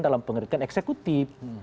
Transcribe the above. dalam pengertian eksekutif